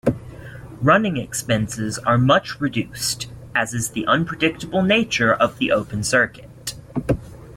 Running expenses are much reduced, as is the unpredictable nature of the open circuit.